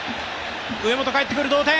上本帰ってくる、同点！